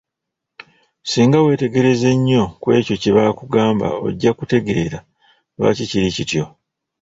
Singa weetegereza ennyo ku ekyo kye bakugamba ojja kutegeera lwaki kili kityo.